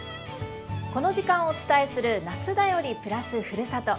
この時間お伝えする「夏だより＋ふるさと」。